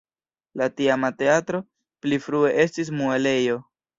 La tiama teatro pli frue estis muelejo.